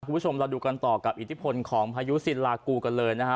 คุณผู้ชมเราดูกันต่อกับอิทธิพลของพายุสินลากูกันเลยนะฮะ